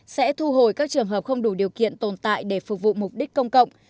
sẽ thu hồi các trường hợp không đủ điều kiện tồn tại để phục vụ mục đích công cộng